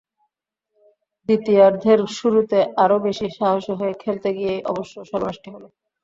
দ্বিতীয়ার্ধের শুরুতে আরও বেশি সাহসী হয়ে খেলতে গিয়েই অবশ্য সর্বনাশটি হলো।